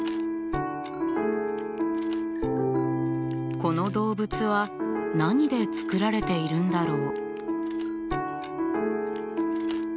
この動物は何で作られているんだろう？